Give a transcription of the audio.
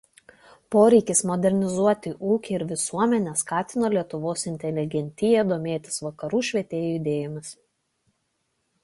Poreikis modernizuoti ūkį ir visuomenę skatino Lietuvos inteligentiją domėtis Vakarų švietėjų idėjomis.